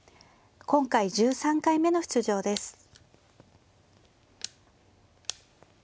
今回１３回目の出場です。